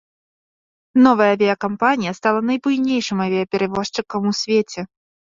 Новая авіякампанія стала найбуйнейшым авіяперавозчыкам у свеце.